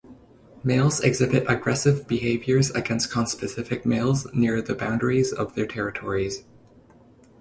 Males exhibit aggressive behaviors against conspecific males near the boundaries of their territories.